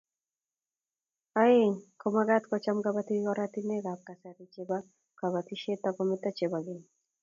Oeng komagat kocham kobotik oratinwekab kasari chebo kobotisiet akometu chebo keny